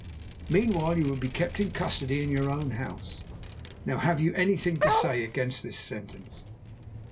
Meanwhile you will be kept in custody in your own house. Now have you anything to say against this sentence?"